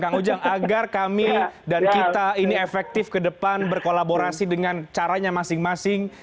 kang ujang agar kami dan kita ini efektif ke depan berkolaborasi dengan caranya masing masing